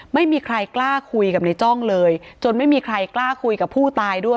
ไม่มีใครกล้าคุยกับในจ้องเลยจนไม่มีใครกล้าคุยกับผู้ตายด้วย